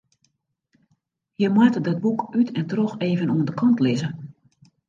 Je moatte dat boek út en troch even oan de kant lizze.